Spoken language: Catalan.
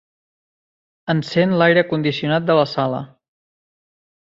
Encén l'aire condicionat de la sala.